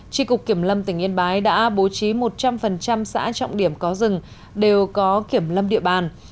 tri cục kiểm lâm tỉnh yên bái đã bố trí một trăm linh xã trọng điểm có rừng đều có kiểm lâm địa bàn